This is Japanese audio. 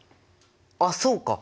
あっそうか！